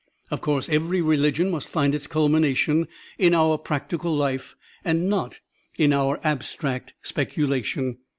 Of course, every religion must find its culmination in our practical life and not in our abstract spectilation.